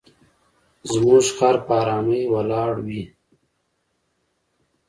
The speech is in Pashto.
زموږ خر په آرامۍ ولاړ وي.